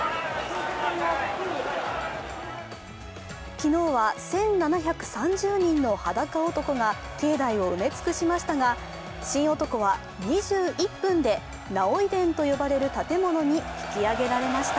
昨日は１７３０人のはだか男たちが境内を埋め尽くしましたが、神男は２１分で儺追殿と呼ばれる建物に引き上げられました。